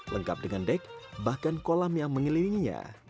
lengkap dengan dek bahkan kolam yang mengelilinginya